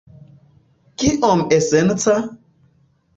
Kiom esenca?